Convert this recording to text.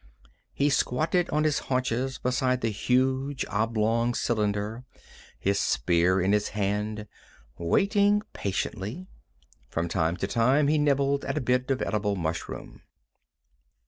He squatted on his haunches beside the huge, oblong cylinder, his spear in his hand, waiting patiently. From time to time he nibbled at a bit of edible mushroom.